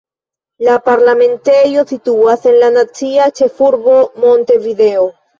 La parlamentejo situas en la nacia ĉefurbo Montevideo.